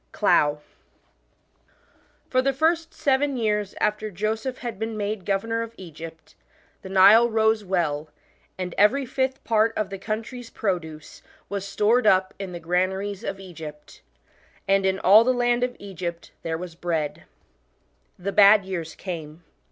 CLOUGH. FOR the first seven years after Joseph had been made governor of Egypt, the Nile rose well, and every fifth part of the country's produce was stored up in the granaries of Egypt, 1 and " in all the land of Egypt there was bread." The bad years came.